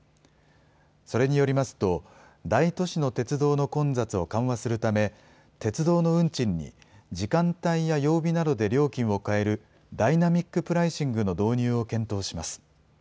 それによりますと、大都市の鉄道の混雑を緩和するため、鉄道の運賃に時間帯や曜日などで料金を変えるダイナミックプライシングの導入を検討します。